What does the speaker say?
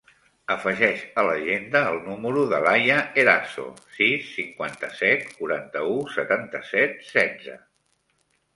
Afegeix a l'agenda el número de l'Aya Eraso: sis, cinquanta-set, quaranta-u, setanta-set, setze.